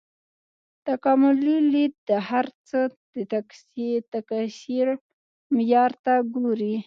تکاملي لید د هر څه د تکثیر معیار ته ګوري.